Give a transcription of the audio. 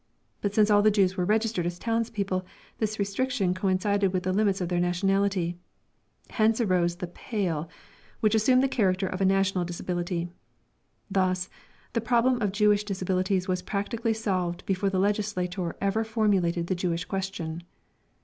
But since all the Jews were registered as townspeople, this restriction coincided with the limits of their nationality. Hence arose the "Pale" which assumed the character of a national disability. Thus, the problem of Jewish disabilities was practically solved before the legislator ever formulated the Jewish question.